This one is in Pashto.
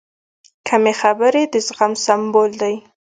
کمې خبرې، د زغم سمبول دی.